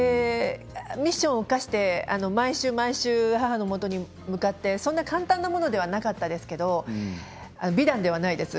ミッションを、かして毎週毎週母のもとに向かってそんな簡単なことではなかったですけど美談ではないです。